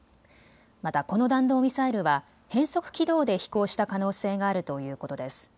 また、この弾道ミサイルは変則軌道で飛行した可能性があるということです。